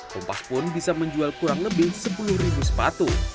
tumpah pun bisa menjual kurang lebih sepuluh sepatu